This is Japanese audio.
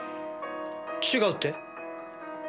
違うって？